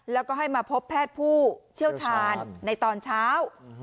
แล้วก็ให้มาพบแพทย์ผู้เชี่ยวชาญในตอนเช้า